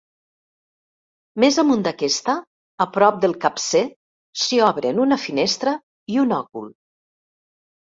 Més amunt d'aquesta, a prop del capcer, s'hi obren una finestra i un òcul.